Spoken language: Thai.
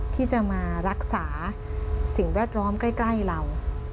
ที่จะมารักษาสิ่งแวดล้อมใกล้เรา